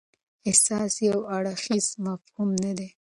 احسان یو اړخیز مفهوم نه دی.